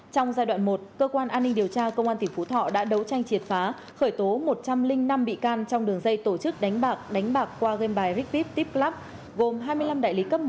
trong giai đoạn một cơ quan an ninh điều tra công an tỉnh phú thọ đã đấu tranh triệt phá khởi tố một trăm linh năm bị can trong đường dây tổ chức đánh bạc qua game bài rigvip tipclub gồm hai mươi năm đại lý cấp một